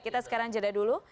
kita sekarang jeda dulu